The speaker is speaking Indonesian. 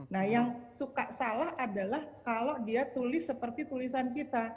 nah yang suka salah adalah kalau dia tulis seperti tulisan kita